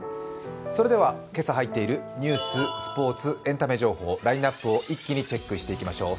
それでは今朝入っているニュース、スポーツ、エンタメ情報、ラインナップを一気にチェックしていきましょう。